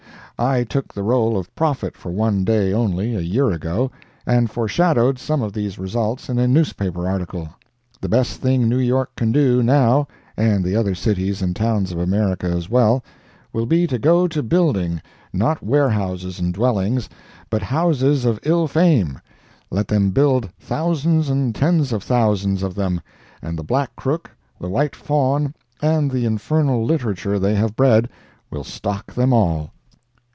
I took the role of prophet for one day only, a year ago, and foreshadowed some of these results in a newspaper article. The best thing New York can do, now, and the other cities and towns of America as well, will be to go to building—not warehouses and dwellings, but houses of ill fame—let them build thousands and tens of thousands of them, and the Black Crook, the White Fawn and the infernal literature they have bred will stock them all.